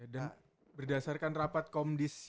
dan berdasarkan rapat komdisial